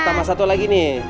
tambah satu lagi nih